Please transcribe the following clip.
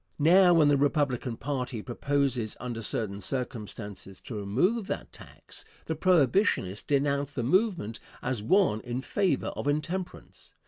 Now when the Republican party proposes under certain circumstances to remove that tax, the Prohibitionists denounce the movement as one in favor of intemperance.